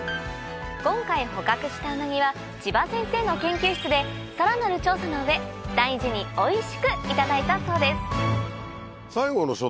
今回捕獲したウナギは千葉先生の研究室でさらなる調査の上大事においしくいただいたそうです